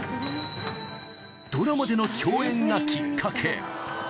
ドラマでの共演がきっかけ。